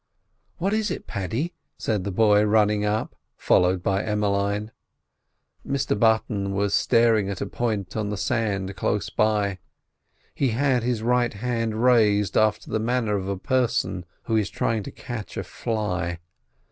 "What is it, Paddy?" said the boy, running up, followed by Emmeline. Mr Button was staring at a point on the sand close by. He had his right hand raised after the manner of a person who is trying to catch a fly.